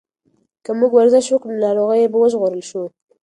که موږ ورزش وکړو نو له ناروغیو به وژغورل شو.